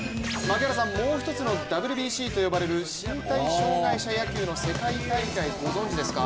もう一つのＷＢＣといわれる身体障害者野球の世界大会ご存じですか？